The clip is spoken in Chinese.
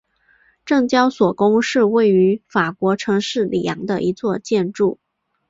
证交所宫是位于法国城市里昂的一座建筑。